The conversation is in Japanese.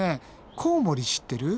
コウモリ知ってる。